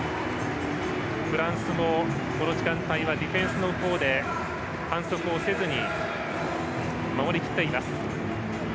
フランスもこの時間帯はディフェンスの方で反則をせずに守りきっています。